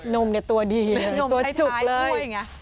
นมเนี่ยตัวดีตัวจุบเลยนมในท้ายข้วยอย่างนี้